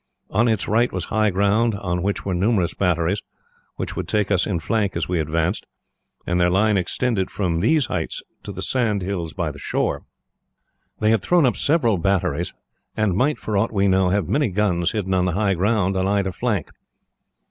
On its right was high ground, on which were numerous batteries, which would take us in flank as we advanced, and their line extended from these heights to the sand hills by the shore. "They had thrown up several batteries, and might, for aught we knew, have many guns hidden on the high ground on either flank.